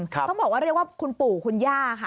ต้องบอกว่าเรียกว่าคุณปู่คุณย่าค่ะ